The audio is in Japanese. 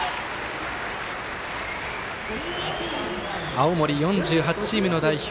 青森４８チームの代表